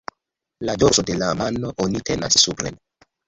La dorso de la mano oni tenas supren.